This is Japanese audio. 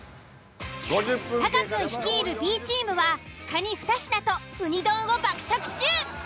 タカくん率いるＢチームはカニ２品とうに丼を爆食中。